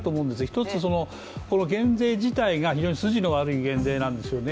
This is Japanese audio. １つ減税自体が非常に筋の悪い減税なんですね。